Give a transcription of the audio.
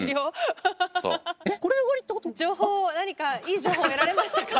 情報何かいい情報は得られましたか？